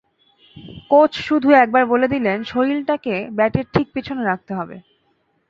Coach শুধু একবার বলে দিলেন, শরীরটাকে ব্যাটের ঠিক পেছনে রাখতে হবে।